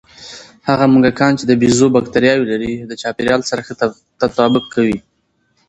هغه موږکان چې د بیزو بکتریاوې لري، د چاپېریال سره ښه تطابق کوي.